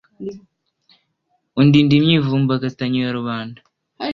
Undinda imyivumbagatanyo ya rubanda